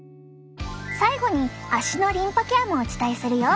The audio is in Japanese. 最後に足のリンパケアもお伝えするよ！